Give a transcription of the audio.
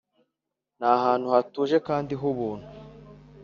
nahantu hatuje kandi hubuntu.